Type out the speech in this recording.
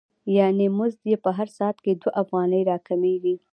یانې مزد یې په هر ساعت کې دوه افغانۍ را کمېږي